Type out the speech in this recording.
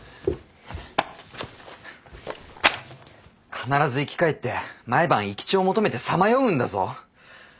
必ず生き返って毎晩生き血を求めてさまようんだぞ。